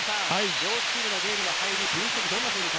両チームのゲームの入り、分析